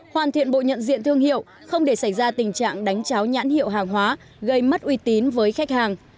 hoàn thiện bộ nhận diện thương hiệu không để xảy ra tình trạng đánh cháo nhãn hiệu hàng hóa gây mất uy tín với khách hàng